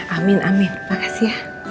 amin amin makasih ya